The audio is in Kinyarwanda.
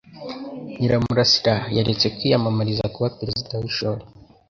Nyiramurasira yaretse kwiyamamariza kuba perezida w'ishuri.